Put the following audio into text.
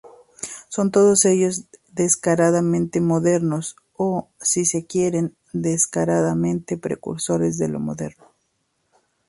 Son todos ellos descaradamente "modernos" o, si se quiere, descaradamente precursores de lo moderno.